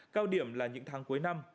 cao điểm là những tháng cuối năm